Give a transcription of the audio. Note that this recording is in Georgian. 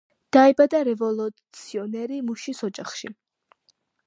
დაიბადა რევოლუციონერი მუშის ოჯახში.